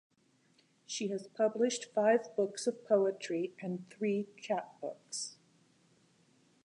She has published five books of poetry and three chapbooks.